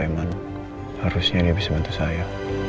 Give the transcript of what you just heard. yang preman harusnya bisa bantu saya